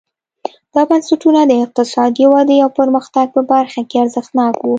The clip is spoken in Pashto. دا بنسټونه د اقتصادي ودې او پرمختګ په برخه کې ارزښتناک وو.